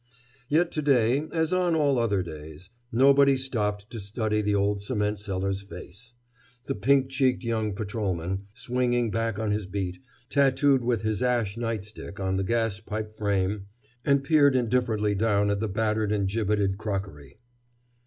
Yet to day, as on all other days, nobody stopped to study the old cement seller's face. The pink cheeked young patrolman, swinging back on his beat, tattooed with his ash night stick on the gas pipe frame and peered indifferently down at the battered and gibbeted crockery.